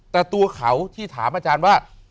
แต่ตัวเขาที่ถามอาจารย์ว่า